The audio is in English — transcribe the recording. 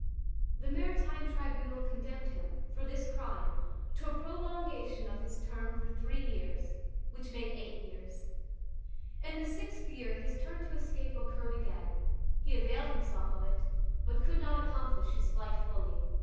The maritime tribunal condemned him, for this crime, to a prolongation of his term for three years, which made eight years. In the sixth year his turn to escape occurred again; he availed himself of it, but could not accomplish his flight fully.